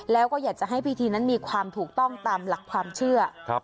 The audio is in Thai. แล้วก็อยากจะให้พิธีนั้นมีความถูกต้องตามหลักความเชื่อ